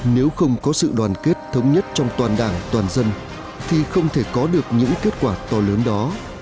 nếu không có sự đoàn kết thống nhất trong toàn đảng toàn dân thì không thể có được những kết quả to lớn đó